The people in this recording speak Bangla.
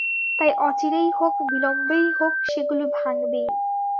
তাই অচিরেই হোক, বিলম্বেই হোক সেগুলি ভাঙবেই।